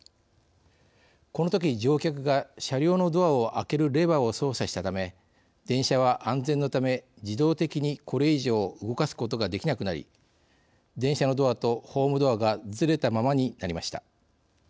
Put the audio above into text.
このとき、乗客が車両のドアを開けるレバーを操作したため電車は安全のため、自動的にこれ以上動かすことができなくなり電車のドアとホームドアがずれたままになりました。